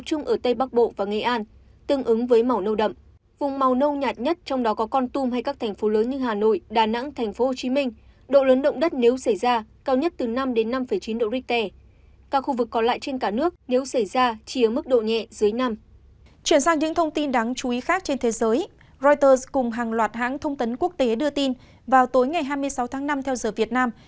chuyển sang những thông tin đáng chú ý khác trên thế giới reuters cùng hàng loạt hãng thông tấn quốc tế đưa tin vào tối ngày hai mươi sáu tháng năm theo giờ việt nam